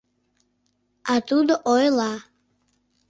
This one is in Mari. А тудо ойла: